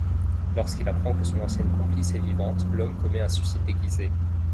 Lorsqu'il apprend que son ancienne complice est vivante, l'homme commet un suicide déguisé.